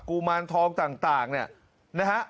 กุมารทองต่างเนี่ยนะฮะ